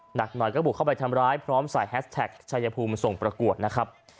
หนักหน่อยก็บุกเข้าไปทำร้ายพร้อมใส่แฮสแท็กชายภูมิส่งประกวดนะครับ